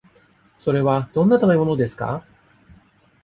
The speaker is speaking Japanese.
それはどんな食べ物ですか。